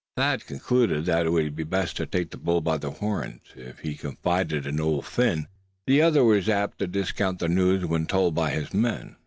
Thad concluded that it would be best to take the bull by the horns. If he confided in Old Phin, the other was apt to discount the news when told by his men.